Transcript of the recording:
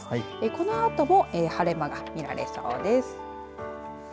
このあとも晴れ間が見られそうです。